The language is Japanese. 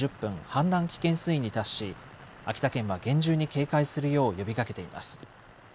氾濫危険水位に達し秋田県は厳重に警戒するよう呼びかけています。